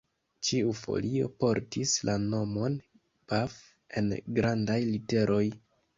Ĉiu folio portis la nomon Bath en grandaj literoj.